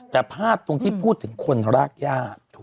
แต่พลาดตรงที่พูดถึงคนรากญาติ